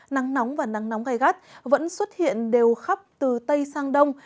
nắng nóng và nắng nóng gai gắt vẫn xuất hiện đều khắp từ tây sang đông